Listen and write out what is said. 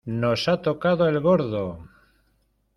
nos ha tocado el gordo.